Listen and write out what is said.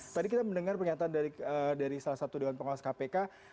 tadi kita mendengar pernyataan dari salah satu dewan pengawas kpk